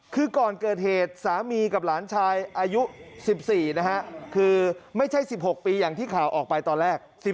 คือก่อนเกิดเหตุสามีกับหลานชายอายุ๑๔นะฮะคือไม่ใช่๑๖ปีอย่างที่ข่าวออกไปตอนแรก